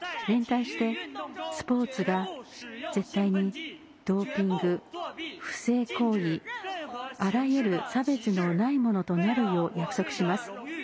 連帯して、スポーツが絶対にドーピング不正行為、あらゆる差別のないものとなるよう約束します。